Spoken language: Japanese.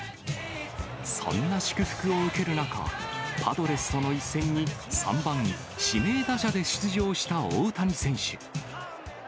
そんな祝福を受ける中、パドレスとの一戦に、３番指名打者で出場した大谷選手。